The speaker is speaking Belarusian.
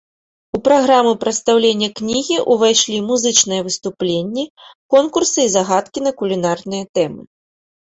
У праграму прадстаўлення кнігі ўвайшлі музычныя выступленні, конкурсы і загадкі на кулінарныя тэмы.